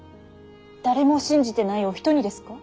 誰も信じてないお人にですか。